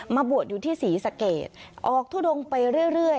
บวชอยู่ที่ศรีสะเกดออกทุดงไปเรื่อย